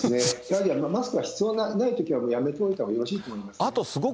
やはりマスクは必要ないときはやめておいたほうがよろしいと思いますね。